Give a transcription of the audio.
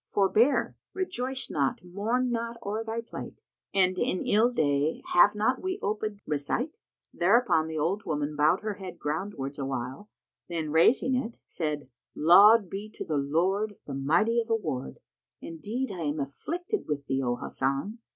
Forbear, rejoice not, mourn not o'er thy plight * And in ill day 'Have not we oped?'—recite."[FN#136] Thereupon the old woman bowed her head groundwards awhile, then, raising it, said, "Laud be to the Lord, the Mighty of Award! Indeed I am afflicted with thee, O Hasan!